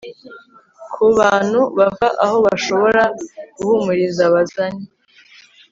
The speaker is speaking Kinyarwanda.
Kubantu bava aho bashobora guhumuriza bazane